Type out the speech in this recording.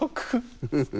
フフフ。